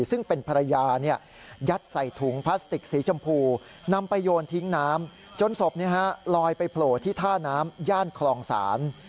ซึ่งเป็นภรรยายัดใส่ถุงพลาสติกสีชมพูนำไปโยนทิ้งน้ำจนศพลอยไปโผล่ที่ท่าน้ำย่านคลองศาล